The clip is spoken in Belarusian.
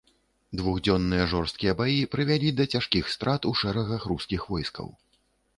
Двухдзённыя жорсткія баі прывялі да цяжкіх страт у шэрагах рускіх войскаў.